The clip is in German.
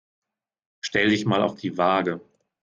Stell dich mal auf die Waage.